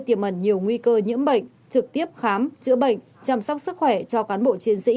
tiềm ẩn nhiều nguy cơ nhiễm bệnh trực tiếp khám chữa bệnh chăm sóc sức khỏe cho cán bộ chiến sĩ